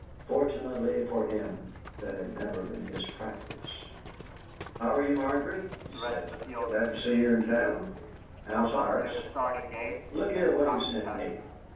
Fortunately for him, that had never been his practice. "How are you, Margery?" he said. "Glad to see you in town. How's Horace? Look here what he's sent me!"